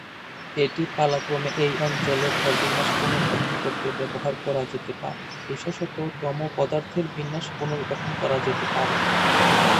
এটি, পালাক্রমে, এই অঞ্চলে ভর বিন্যাস পুনর্গঠন করতে ব্যবহার করা যেতে পারে: বিশেষত, তমোপদার্থের বিন্যাস পুনর্গঠন করা যেতে পারে।